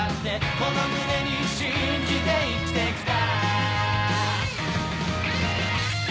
この胸に信じて生きてきた